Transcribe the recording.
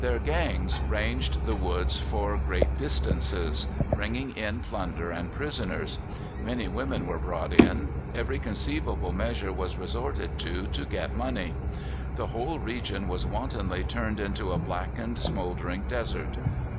Their gangs ranged the woods for great distances, bringing in plunder and prisoners. Many women were brought in. Every conceivable measure was resorted to, to get money. The whole region was wantonly turned into a blackened, smouldering desert.